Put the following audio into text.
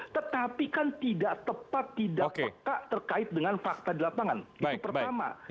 tetapi kan tidak tepat tidak peka terkait dengan fakta di lapangan itu pertama